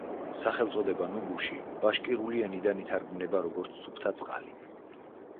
სახელწოდება „ნუგუში“ ბაშკირული ენიდან ითარგმნება როგორც „სუფთა წყალი“.